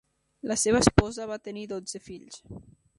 La seva esposa va tenir dotze fills.